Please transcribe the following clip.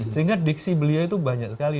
sehingga diksi beliau itu banyak sekali